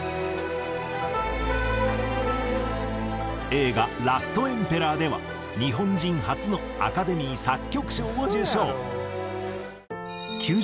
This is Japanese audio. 映画『ラストエンペラー』では日本人初のアカデミー作曲賞を受賞。